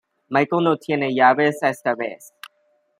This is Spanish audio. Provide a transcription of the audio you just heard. Michael no tiene llaves esta vez.